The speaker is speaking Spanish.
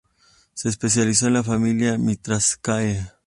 Se especializó en la familia Myrtaceae.